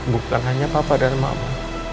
bukan hanya papa dan mama